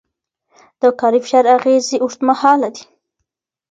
د کاري فشار اغېزې اوږدمهاله دي.